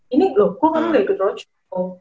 ini loh kok kamu gak ikut roncong